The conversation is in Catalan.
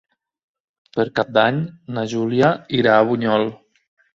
Per Cap d'Any na Júlia irà a Bunyol.